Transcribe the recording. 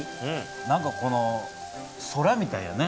何かこの空みたいやね。